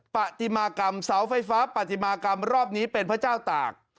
ปฏิมากรรมเสาไฟฟ้าปฏิมากรรมรอบนี้เป็นพระเจ้าตาก